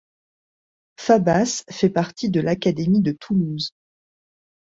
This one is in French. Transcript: Fabas fait partie de l'académie de Toulouse.